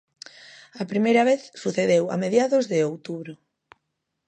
A primeira vez sucedeu a mediados de outubro.